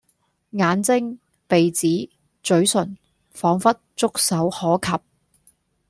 眼睛、鼻子、咀唇彷彿觸手可及